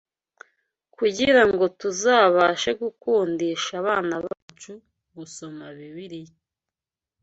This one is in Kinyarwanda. Kugira ngo tuzabashe gukundisha abana bacu gusoma Bibiliya